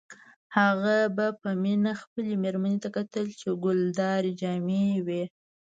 هغه به په مینه خپلې میرمنې ته کتل چې ګلدارې جامې یې وې